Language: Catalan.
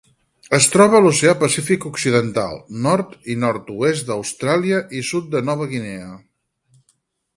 Es troba a l'Oceà Pacífic occidental: nord i nord-oest d'Austràlia i sud de Nova Guinea.